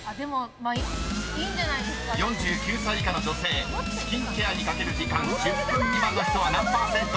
［４９歳以下の女性スキンケアにかける時間１０分未満の人は何％か？］